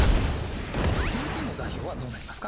点Ｐの座標はどうなりますか？